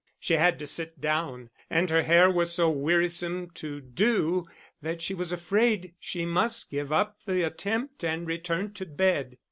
She had to sit down, and her hair was so wearisome to do that she was afraid she must give up the attempt and return to bed.